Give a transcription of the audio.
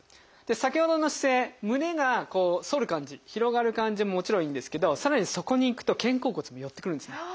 先ほどの姿勢胸が反る感じ広がる感じももちろんいいんですけどさらにそこにいくと肩甲骨も寄ってくるんですね。